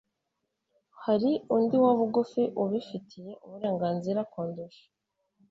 hari undi wa bugufi ubifitiye uburenganzira kundusha